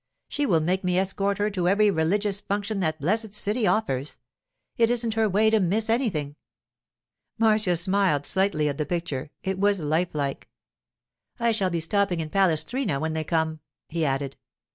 She will make me escort her to every religious function that blessed city offers; it isn't her way to miss anything.' Marcia smiled slightly at the picture; it was lifelike. 'I shall be stopping in Palestrina when they come,' he added.